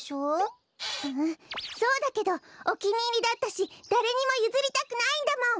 んそうだけどおきにいりだったしだれにもゆずりたくないんだもん！